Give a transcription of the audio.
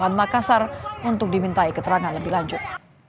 dan makassar untuk dimintai keterangan lebih lanjut